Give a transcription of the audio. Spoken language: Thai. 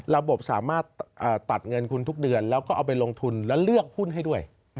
ระบบสามารถตัดเงินคุณทุกเดือนแล้วก็เอาไปลงทุนแล้วเลือกหุ้นให้ด้วย